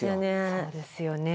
そうですよね。